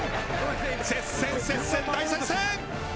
接戦接戦大接戦！